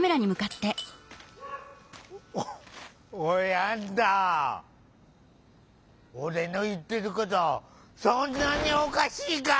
おいあんた俺の言ってることそんなにおかしいか？